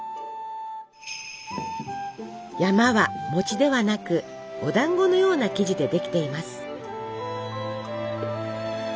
「山」は餅ではなくお団子のような生地でできています。